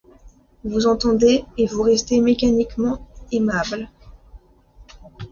Vous entendez, et vous restez mécaniquement aimable.